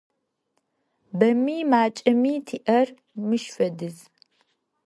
Бэми макӏэми тиӏэр мыщ фэдиз.